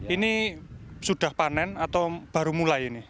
ini sudah panen atau baru mulai ini